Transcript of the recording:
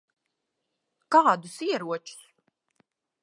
Kādus ieročus?